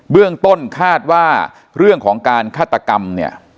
เรื่องต้นคาดว่าเรื่องของการฆาตกรรมเนี่ย